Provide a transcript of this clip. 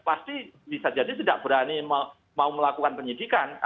dan pasti bisa jadi tidak berani mau melakukan penyidikan